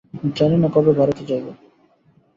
জানি না, কবে ভারতে যাইব।